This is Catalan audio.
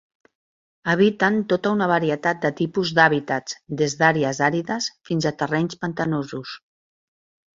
Habiten tota una varietat de tipus d'hàbitats, des d'àrees àrides fins a terrenys pantanosos.